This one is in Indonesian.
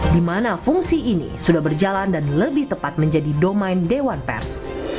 di mana fungsi ini sudah berjalan dan lebih tepat menjadi domain dewan pers